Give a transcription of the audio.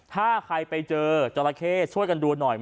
ถ้าใครไปเจอจราเข้ช่วยกันดูหน่อย